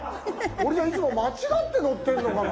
俺じゃあいつも間違って乗ってるのかな？